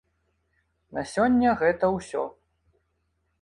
На сёння гэта ўсё.